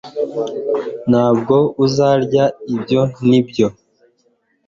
Ntabwo uzarya ibyo nibyo